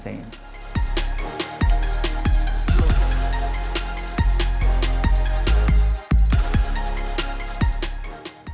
gue udah ngeliat